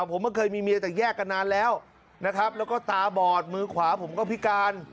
ผมก็เคยมีเมียแต่แยกกันนานแล้วนะครับแล้วก็ตาบอดมือขวาผมก็พิการ